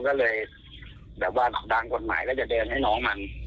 ก็เลยแบบว่าทางกฎหมายแล้วจะเดินให้น้องมัน